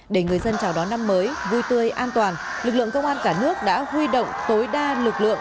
để người dân chào đón năm mới vui tươi an toàn lực lượng công an cả nước đã huy động tối đa lực lượng